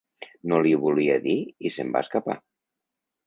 No li ho volia dir i se'm va escapar.